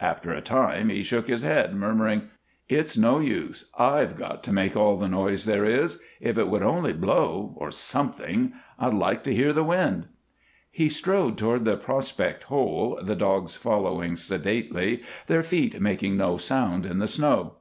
After a time he shook his head, murmuring: "It's no use. I've got to make all the noise there is. If it would only blow or something. I'd like to hear the wind." He strode toward the prospect hole, the dogs following sedately, their feet making no sound in the snow.